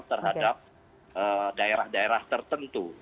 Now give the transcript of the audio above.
terhadap daerah daerah tertentu